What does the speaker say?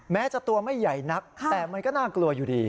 แม้จะตัวไม่ใหญ่นักแต่มันก็น่ากลัวอยู่ดี